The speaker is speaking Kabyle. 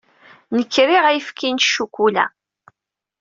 Nekk riɣ ayefki n ccukula